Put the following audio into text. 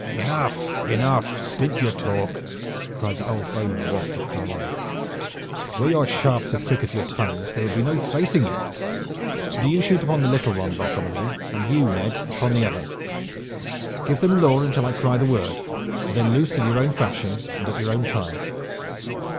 "Enough, enough! Stint your talk!" cried the old bowman, Wat of Carlisle. "Were your shafts as quick as your tongues there would be no facing you. Do you shoot upon the little one, Bartholomew, and you, Ned, upon the other. Give them law until I cry the word, then loose in your own fashion and at your own time.